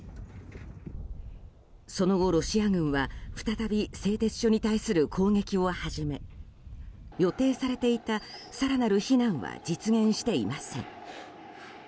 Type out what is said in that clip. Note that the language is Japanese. その後、ロシア軍は再び製鉄所に対する攻撃を始め予定されていた更なる避難は実現していません。